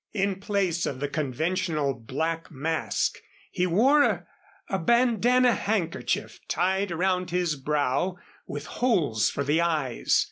In place of the conventional black mask, he wore a bandanna handkerchief tied around his brow, with holes for the eyes.